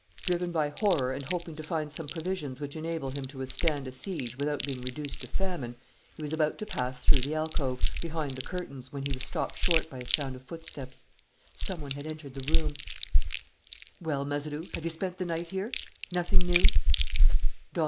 Driven by horror and hoping to find some provisions which enable him to withstand a siege without being reduced to famine, he was about to pass through the alcove, behind the curtains, when he was stopped short by a sound of footsteps. Some one had entered the room. "Well, Mazeroux, have you spent the night here? Nothing new!"